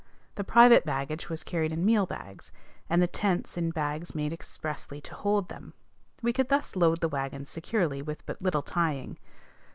The private baggage was carried in meal bags, and the tents in bags made expressly to hold them; we could thus load the wagon securely with but little tying.